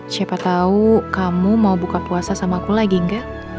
siapa tahu kamu mau buka puasa sama aku lagi enggak